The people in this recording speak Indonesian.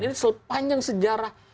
ini sepanjang sejarah